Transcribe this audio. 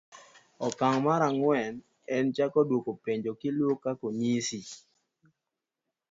oka'ng mar ang'wen en chako dwoko penjo kiluo kaka onyisi.